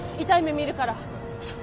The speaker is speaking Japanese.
痛い目見るから。